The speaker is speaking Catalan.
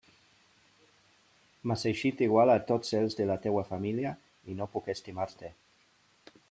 M'has eixit igual a tots els de la teua família, i no puc estimar-te.